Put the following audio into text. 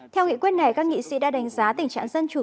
theo nghị quyết này các nghị sĩ đã đánh giá tình trạng dân chủ